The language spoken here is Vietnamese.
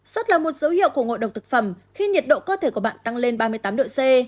sốt là một dấu hiệu của ngộ độc thực phẩm khi nhiệt độ cơ thể của bạn tăng lên ba mươi tám độ c